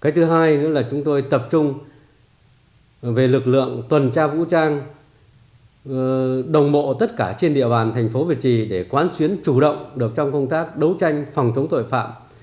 cái thứ hai nữa là chúng tôi tập trung về lực lượng tuần tra vũ trang đồng bộ tất cả trên địa bàn thành phố việt trì để quán xuyến chủ động được trong công tác đấu tranh phòng chống tội phạm